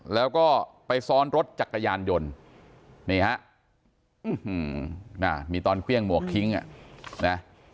แล้วก็ไปซ้อนรถจักรยานยนต์นี่ฮะมีตอนเครื่องหมวกทิ้งอ่ะนะ